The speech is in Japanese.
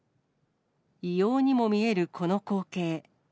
異様にも見えるこの光景。